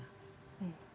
dari orang tua kan